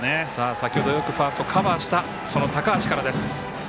先ほど、よくファーストカバーした、その高橋からです。